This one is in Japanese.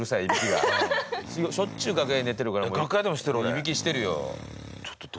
いびきしてるよ。